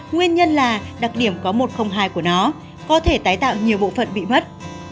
nguyên nhân là đặc điểm có một trăm linh hai của nó có thể tái tạo nhiều bộ phận bị mất